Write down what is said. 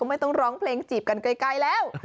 ไม่ต้องร้องเพลงจีบกันไกลแล้ว